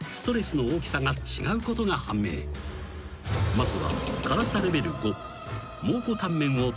［まずは］